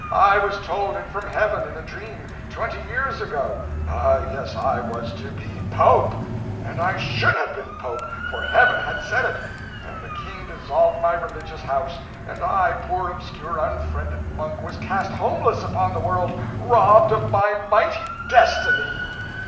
I was told it from heaven in a dream, twenty years ago; ah, yes, I was to be pope! and I should have been pope, for Heaven had said it but the King dissolved my religious house, and I, poor obscure unfriended monk, was cast homeless upon the world, robbed of my mighty destiny!"